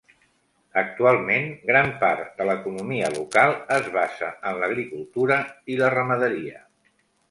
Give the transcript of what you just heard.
Actualment, gran part de l'economia local es basa en l'agricultura i la ramaderia.